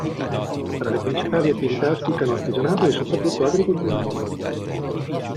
Fra le principali attività spiccano artigianato e soprattutto agricoltura.